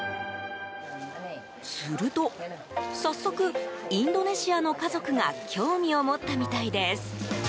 すると早速インドネシアの家族が興味を持ったみたいです。